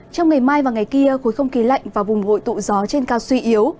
trong ngày mai và ngày kia khối không khí lạnh và vùng hội tụ gió trên cao suy yếu